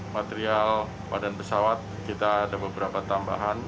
material badan pesawat kita ada beberapa tambahan